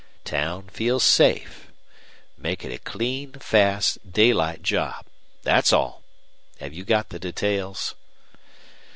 Town feels safe. Make it a clean, fast, daylight job. That's all. Have you got the details?"